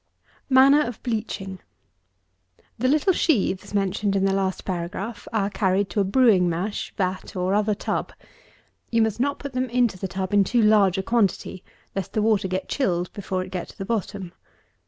230. MANNER OF BLEACHING. The little sheaves mentioned in the last paragraph are carried to a brewing mash, vat, or other tub. You must not put them into the tub in too large a quantity, lest the water get chilled before it get to the bottom.